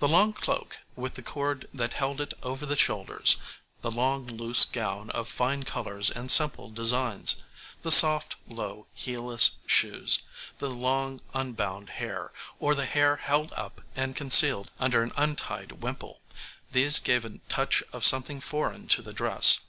The long cloak with the cord that held it over the shoulders; the long, loose gown of fine colours and simple designs; the soft, low, heelless shoes; the long, unbound hair, or the hair held up and concealed under an untied wimple these gave a touch of something foreign to the dress.